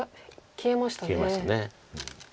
消えました。